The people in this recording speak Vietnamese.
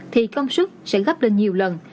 thì công suất sẽ gấp lên nhiều lần